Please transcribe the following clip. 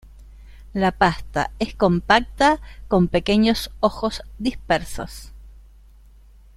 La pasta es compacta, con pequeños ojos dispersos.